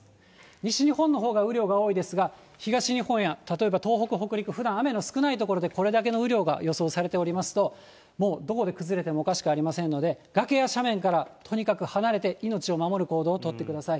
西日本のほうが雨量が多いですが、東日本や、例えば、東北、北陸、ふだん雨の少ない所でこれだけの雨量が予想されておりますと、もうどこで崩れてもおかしくありませんので、崖や斜面からはとにかく離れて、命を守る行動を取ってください。